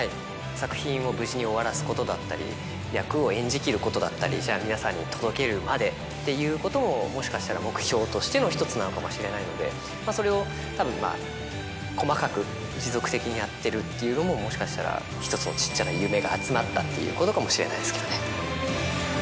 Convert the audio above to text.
作品を無事に終わらすことだったり役を演じ切ることだったり皆さんに届けるまでっていうことももしかしたら目標としての１つなのかもしれないのでそれをたぶんまぁ細かく持続的にやってるっていうのももしかしたら。っていうことかもしれないですけどね。